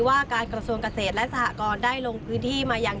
ว่าการกระทรวงเกษตรและสหกรได้ลงพื้นที่มายัง